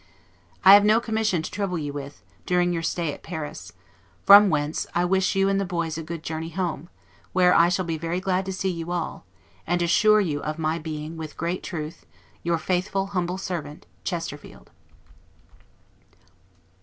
I have no commission to trouble you with, during your stay at Paris; from whence, I wish you and the boys a good journey home, where I shall be very glad to see you all; and assure you of my being, with great truth, your faithful, humble servant, CHESTERFIELD.